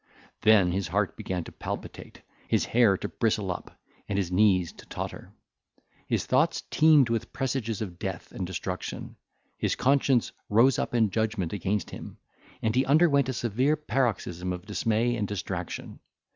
Then his heart began to palpitate, his hair to bristle up, and his knees to totter; his thoughts teemed with presages of death and destruction; his conscience rose up in judgment against him, and he underwent a severe paroxysm of dismay and distraction.